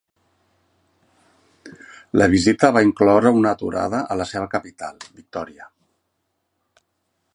La visita va incloure una aturada a la seva capital, Victòria.